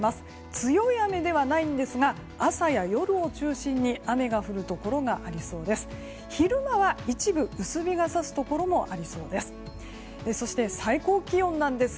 強い雨ではないんですが朝や夜を中心に雨が降るところがありそうです。